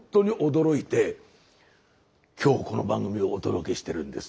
今日この番組をお届けしてるんです。